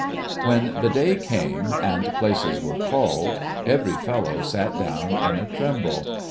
When the day came, and Places were called, every fellow sat down in a tremble.